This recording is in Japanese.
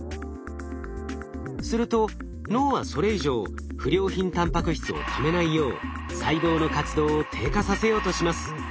すると脳はそれ以上不良品タンパク質をためないよう細胞の活動を低下させようとします。